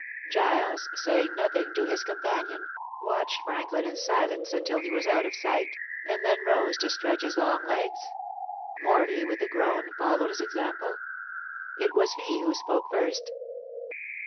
Giles, saying nothing to his companion, watched Franklin in silence until he was out of sight, and then rose to stretch his long legs, Morley, with a groan, followed his example. It was he who spoke first.